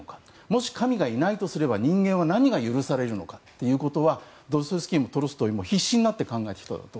もし神がいないとすれば人間は何が許されるのかということはドストエフスキーもトルストイも必死になって考えました。